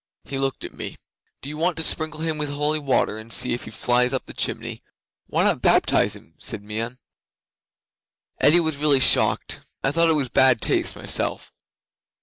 He looked at me. '"Do you want to sprinkle him with holy water, and see if he flies up the chimney? Why not baptize him?" said Meon. 'Eddi was really shocked. I thought it was bad taste myself.